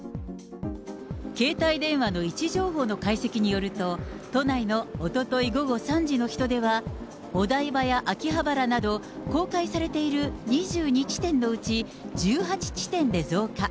携帯電話の位置情報の解析によると、都内のおととい午後３時の人出は、お台場や秋葉原など、公開されている２２地点のうち１８地点で増加。